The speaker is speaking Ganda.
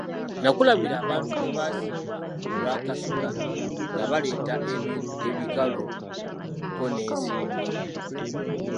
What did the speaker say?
Nakulabira abantu bwe basimba olwa kasota nga baleeta ebintu ebikalu kko n'ensimbi.